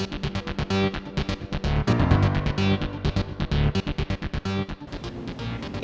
nama bos ibu siapa